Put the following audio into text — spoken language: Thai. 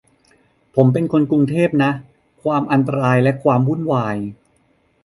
ผมเป็นคนกรุงเทพนะ ความอันตราย และความวุ่นวาย